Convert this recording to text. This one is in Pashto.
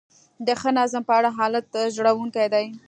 د ښه نظم په اړه حالت ژړونکی دی.